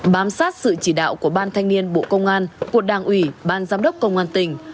bám sát sự chỉ đạo của ban thanh niên bộ công an của đảng ủy ban giám đốc công an tỉnh